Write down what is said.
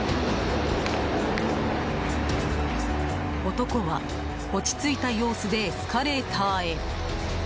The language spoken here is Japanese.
男は落ち着いた様子でエスカレーターへ。